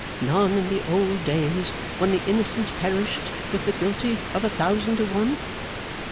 None in the old days when the innocent perished with the guilty, a thousand to one?